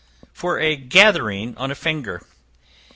For a Gathering on a Finger.